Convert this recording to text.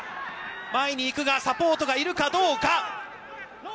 前に行くが、サポートがいるかどうか。